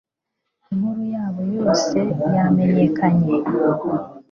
inkuru yabo yose yamenyekanye